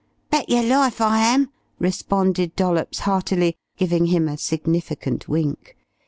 "Bet yer life I am!" responded Dollops heartily, giving him a significant wink.